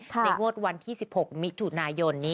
ในวัดวันที่๑๖มิถุนายน